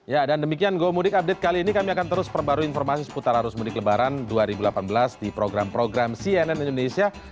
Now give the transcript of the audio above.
ya dan demikian gomudik update kali ini kami akan terus perbarui informasi seputar arus mudik lebaran dua ribu delapan belas di program program cnn indonesia